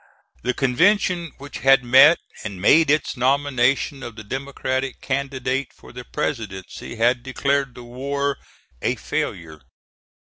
The convention which had met and made its nomination of the Democratic candidate for the presidency had declared the war a failure.